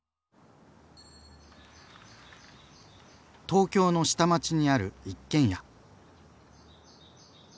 東京の下町にある一軒家。